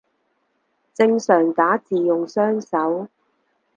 正常打字用雙手